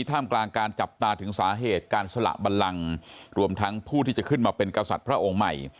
ท่ามกลางการจับตาถึงสาเหตุการสละบันลังรวมทั้งผู้ที่จะขึ้นมาเป็นกษัตริย์พระองค์ใหม่